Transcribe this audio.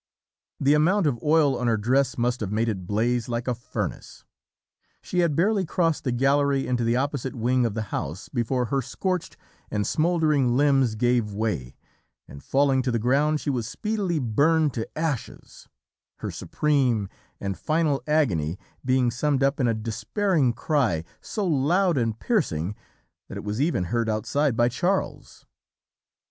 The amount of oil on her dress must have made it blaze like a furnace. "She had barely crossed the gallery into the opposite wing of the house before her scorched and smouldering limbs gave way, and falling to the ground she was speedily burned to ashes; her supreme and final agony being summed up in a despairing cry, so loud and piercing that it was even heard outside by Charles.